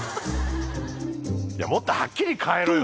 もっとはっきり変えろよ。